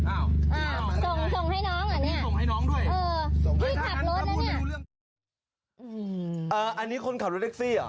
อันนี้คนขับเร็วเล็กซี่หรอ